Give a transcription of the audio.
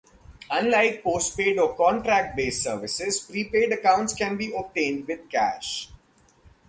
Unlike postpaid or contract based services, prepaid accounts can be obtained with cash.